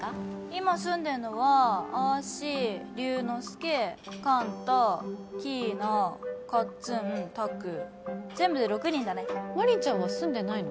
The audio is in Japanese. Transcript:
今住んでんのはあーし龍之介寛太キイナカッツン拓全部で６人だね真凛ちゃんは住んでないの？